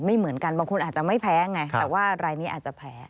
ไม่เหมือนกันบางคนอาจจะไม่แพ้ไงแต่ว่ารายนี้อาจจะแพ้